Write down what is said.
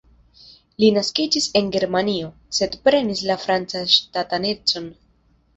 Li naskiĝis en Germanio, sed prenis la francan ŝtatanecon.